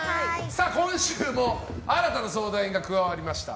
今週も新たな相談員が加わりました。